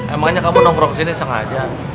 emangnya kamu nongkrong kesini sengaja